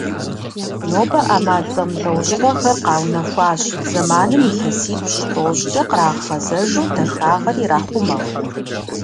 Нобэ Iэмал зэмылIэужьыгъуэхэр къэунэхуащ, зэманым илъэсипщI-тIощIкIэ кърагъэгъэзэжу, дахагъэр ирахъумэу.